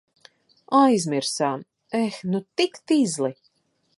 Aizmirsām! Eh, nu tik tizli.